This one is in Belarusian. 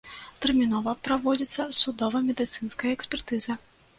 Тэрмінова праводзіцца судова-медыцынская экспертыза.